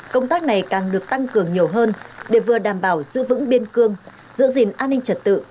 công tác này càng được tăng cường nhiều hơn để vừa đảm bảo giữ vững biên cương giữ gìn an ninh trật tự